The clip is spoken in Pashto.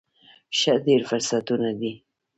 ښه، ډیر فرصتونه دي